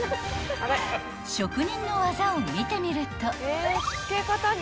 ［職人の技を見てみると］